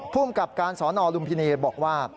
ภูมิกับการสอนอลุมพินีบอกว่า